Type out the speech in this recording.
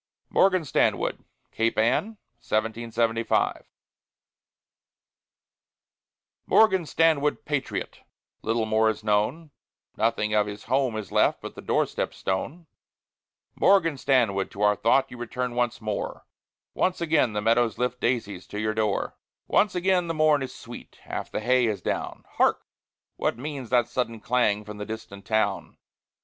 MORGAN STANWOOD CAPE ANN, 1775 Morgan Stanwood, patriot! Little more is known; Nothing of his home is left But the door step stone. Morgan Stanwood, to our thought You return once more; Once again the meadows lift Daisies to your door. Once again the morn is sweet, Half the hay is down, Hark! what means that sudden clang From the distant town?